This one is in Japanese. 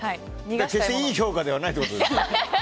決していい評価ではないということですね。